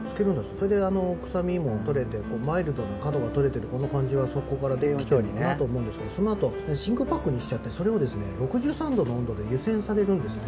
それで臭みもとれてマイルドな角がとれてるこの感じはそこからきてるのかなと思うんですけどそのあと真空パックにしちゃってそれをですね６３度の温度で湯せんされるんですね。